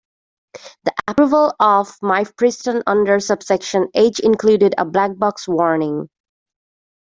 The approval of mifepristone under subsection H included a black box warning.